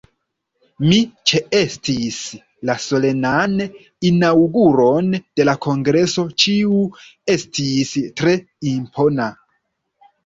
Mi ĉeestis la Solenan Inaŭguron de la kongreso, kiu estis tre impona.